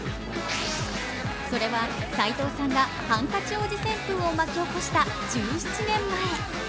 それは、斎藤さんがハンカチ王子旋風を巻き起こした１７年前。